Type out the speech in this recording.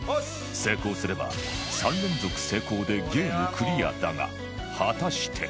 成功すれば３連続成功でゲームクリアだが果たして